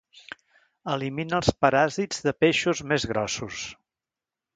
Elimina els paràsits de peixos més grossos.